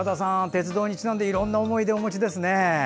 鉄道にちなんでいろんな思い出をお持ちですね。